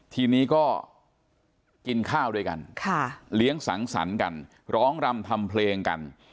ทีนี้ก็กินข้าวด้วยกันเลี้ยงสังสรรค์กันร้องรำทำเพลงกัน